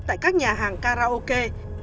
tại các nhà hàng karaoke